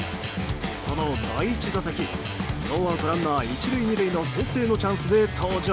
その第１打席ノーアウト、ランナー１塁２塁の先制のチャンスで登場。